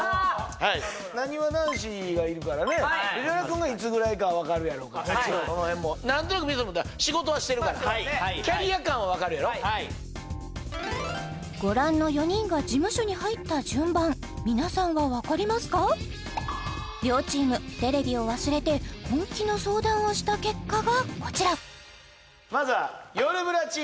なにわ男子がいるからね藤原くんがいつぐらいかは分かるやろうからその辺も何となく皆さんも仕事はしてるからキャリア感は分かるやろご覧の４人が事務所に入った順番両チームテレビを忘れて本気の相談をした結果がこちらいきます